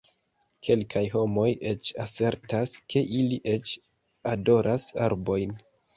Kelkaj homoj eĉ asertas, ke ili eĉ adoras arbojn.